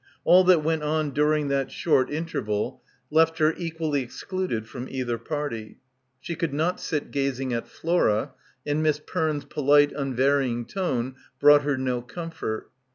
All that went on during that short interval left her equally excluded from either party. She could not sit gazing at Flora, and Miss Perne's polite unvarying tone brought her no comfort.